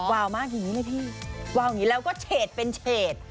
วาวมากอย่างนี้ไหมพี่วาวอย่างนี้แล้วก็เฉดเป็นเฉด